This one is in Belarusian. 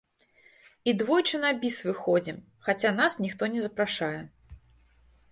І двойчы на біс выходзім, хаця нас ніхто не запрашае.